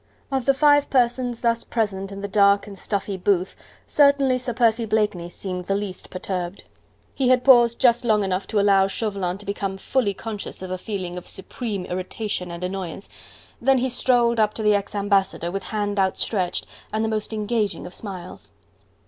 Of the five persons thus present in the dark and stuffy booth, certainly Sir Percy Blakeney seemed the least perturbed. He had paused just long enough to allow Chauvelin to become fully conscious of a feeling of supreme irritation and annoyance, then he strolled up to the ex ambassador, with hand outstretched and the most engaging of smiles.